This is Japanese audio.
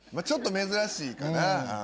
ちょっと珍しいかな。